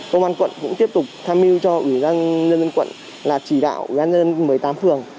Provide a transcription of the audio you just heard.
công an quận cũng tiếp tục tham mưu cho ủy ban dân dân quận là chỉ đạo ủy ban dân dân một mươi tám phường